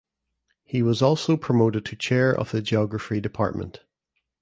He was also promoted to Chair of the geography department.